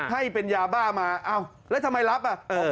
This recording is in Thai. ให้เป็นยาบ้ามาอ้าวแล้วทำไมรับอ่ะ